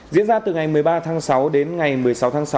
diễn ra từ ngày một mươi ba tháng sáu đến ngày một mươi sáu tháng sáu